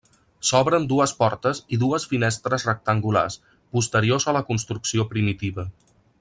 S'obren dues portes i dues finestres rectangulars, posteriors a la construcció primitiva.